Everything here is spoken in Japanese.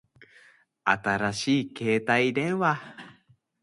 新しい携帯電話